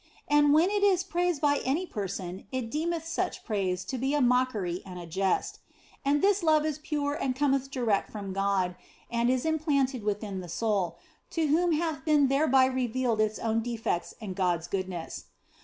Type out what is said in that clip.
And when it is praised by any person it deemeth such praise to be a mockery and a jest. And this love is pure and cometh direct from God and is implanted within the soul, to whom hath been thereby revealed its own defects and God s goodness.